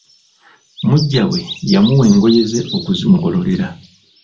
Muggya we yamuwa engoye ze okuzimugololera.